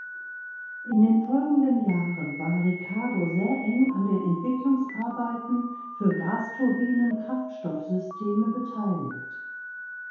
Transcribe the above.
In den folgenden Jahren war Ricardo sehr eng an den Entwicklungsarbeiten für Gasturbinen-Kraftstoffsysteme beteiligt.